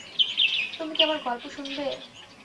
তুমি কি আমার গল্প শুনবে?